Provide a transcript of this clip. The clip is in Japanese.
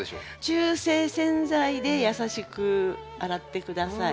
中性洗剤で優しく洗って下さい。